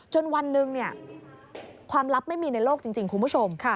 วันหนึ่งความลับไม่มีในโลกจริงคุณผู้ชม